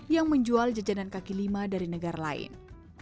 yang menjual jajanan kaki lima dari negara lain